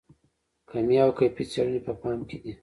کمي او کیفي څېړنې په پام کې دي.